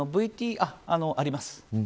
あります。